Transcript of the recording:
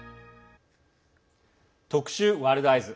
特集「ワールドＥＹＥＳ」。